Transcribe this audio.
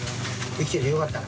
「生きててよかったな」